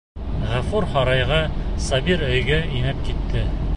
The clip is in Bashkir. Ғәфүр һарайға, Сабир өйгә инеп китә.